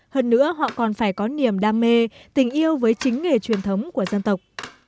hơn nữa họ còn phải có niềm đam mê tình yêu với chính nghề truyền thống của dân tộc